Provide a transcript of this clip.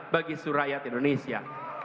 bagi surakyat indonesia